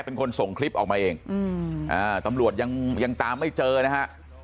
เป็นคนส่งคลิปออกมาเองตำรวจยังตามไม่เจอนะฮะ